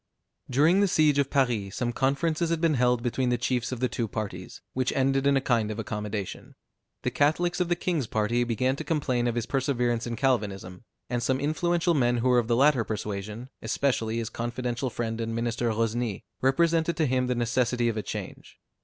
During the siege of Paris, some conferences had been held between the chiefs of the two parties, which ended in a kind of accommodation. The Catholics of the king's party began to complain of his perseverance in Calvinism; and some influential men who were of the latter persuasion, especially his confidential friend and minister Rosny, represented to him the necessity of a change.